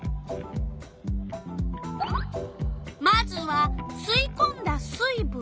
まずは「すいこんだ水ぶん」？